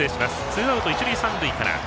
ツーアウト、一塁三塁から。